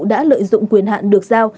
đã lợi dụng quyền hạn được giao